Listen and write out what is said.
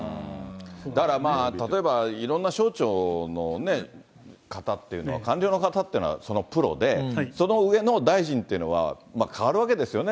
だからまあ、例えば、いろんな省庁の方っていうのは、官僚の方っていうのは、そのプロで、その上の大臣っていうのはまあ、代わるわけですよね。